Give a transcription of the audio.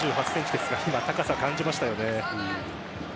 １７８ｃｍですが高さを感じましたね。